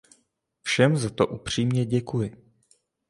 Všem za to upřímně děkuji.